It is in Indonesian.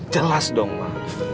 jelas dong ma